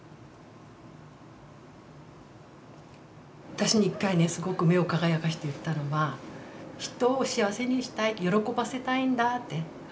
私に一回ねすごく目を輝かせて言ったのは人を幸せにしたい喜ばせたいんだって。